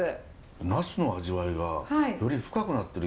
ナスの味わいがより深くなってる。